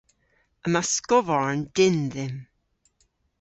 Yma skovarn dynn dhymm.